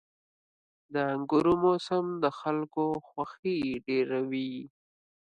• د انګورو موسم د خلکو خوښي ډېروي.